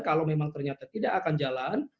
kalau memang ternyata tidak akan jalan